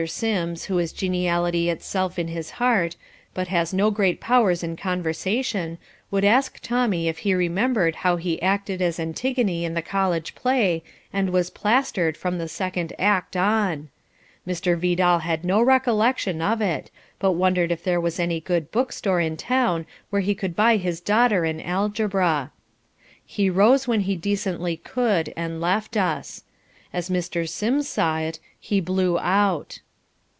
Sims, who is geniality itself in his heart, but has no great powers in conversation, would ask Tommy if he remembered how he acted as Antigone in the college play, and was "plastered" from the second act on. Mr. Vidal had no recollection of it, but wondered if there was any good book store in town where he could buy his daughter an Algebra. He rose when he decently could and left us. As Mr. Sims saw it, he "blew out."